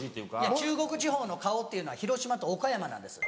中国地方の顔っていうのは広島と岡山なんです。